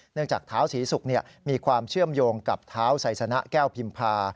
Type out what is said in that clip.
จากเท้าศรีศุกร์มีความเชื่อมโยงกับเท้าไซสนะแก้วพิมพา